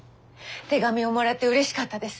「手紙をもらってうれしかったです」